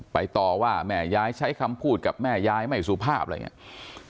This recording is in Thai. ต่อว่าแม่ยายใช้คำพูดกับแม่ยายไม่สุภาพอะไรอย่างนี้